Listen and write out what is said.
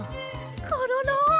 コロロ！